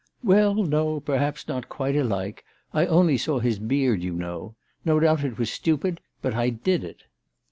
" Well, no ; perhaps not quite alike. I only saw his beard, you know. No doubt it was stupid, but I did it."